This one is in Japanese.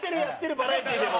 バラエティーでも。